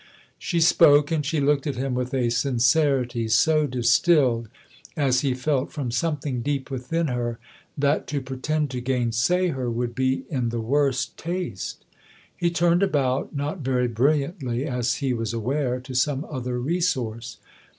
She spoke and she looked at him with a sincerity so distilled, as he felt, from something deep within her that to pretend to gainsay her would be in the i?4 THE OTHER HOUSE worst taste. He turned about, not very brilliantly, as he was aware, to some other resource.